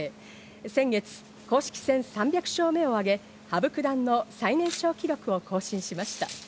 先月、公式戦３００勝目を挙げ、羽生九段の最年少記録を更新しました。